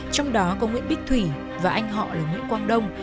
trong đó có nguyễn bích thủy và anh họ là nguyễn quang đông